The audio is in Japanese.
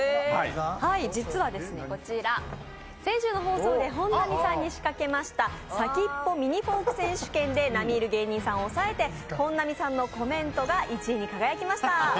実はこちら、先週の放送で本並さんに仕掛けました先っぽミニフォーク選手権でなみいる芸人さんを抑えて、本並さんのコメントが１位に輝きました。